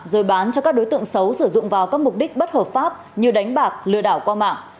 rồi bán cho các đối tượng xấu sử dụng vào các mục đích bất hợp pháp như đánh bạc lừa đảo qua mạng